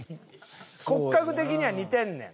骨格的には似てんねん。